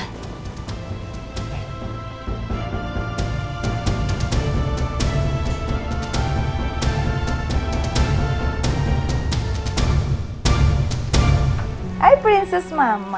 hai prinses mama